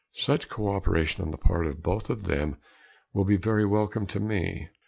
Such cooperation on the part of both of them will be very welcome to me.